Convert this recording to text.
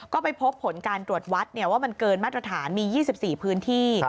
ก็ไปพบผลการตรวจวัดว่ามันเกินมาตรฐานมี๒๔พื้นที่